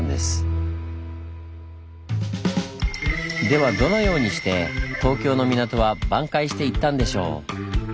ではどのようにして東京の港は挽回していったんでしょう？